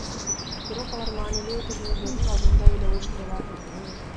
Бирок алар маанилүү турнирлердин алдында эле уюштурулат.